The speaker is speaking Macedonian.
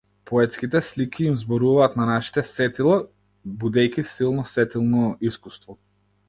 Поетските слики им зборуваат на нашите сетила, будејќи силно сетилно искуство.